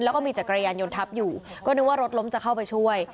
แล้วก็มีจักรยานยนต์ทับอยู่ก็นึกว่ารถล้มจะเข้าไปช่วย